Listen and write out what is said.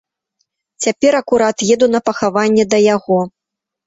Цяпер акурат еду на пахаванне да яго.